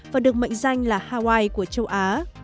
và được mệnh danh là hawaii của châu á